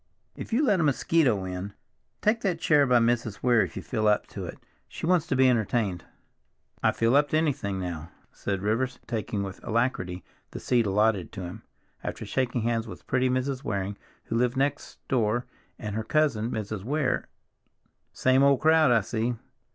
"If you let a mosquito in—Take that chair by Mrs. Weir if you feel up to it; she wants to be entertained." "I feel up to anything—now," said Rivers, taking with alacrity the seat allotted to him, after shaking hands with pretty Mrs. Waring, who lived next door, and her cousin, Mrs. Weir. "Same old crowd, I see."